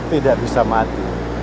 tidak bisa mati